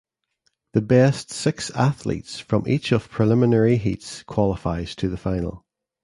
The best six athletes from each of preliminary heats qualifies to the final.